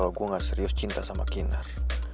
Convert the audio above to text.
kalau gue gak serius cinta sama kinar